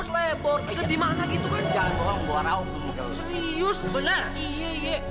serius bener iya iya